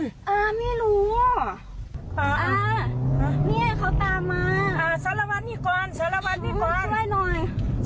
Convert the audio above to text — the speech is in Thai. เนี้ยเขาตามมาอ่าสารวัตรนี่ก่อนสารวัตรนี่ก่อนช่วยหน่อย